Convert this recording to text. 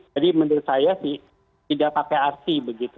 jadi menurut saya tidak pakai arti